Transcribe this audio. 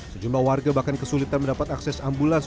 sejumlah warga bahkan kesulitan mendapat akses ambulans